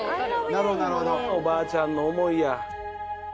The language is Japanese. おばあちゃんの思いや。